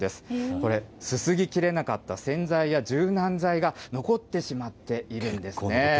これ、すすぎきれなかった洗剤や柔軟剤が残ってしまっているんですね。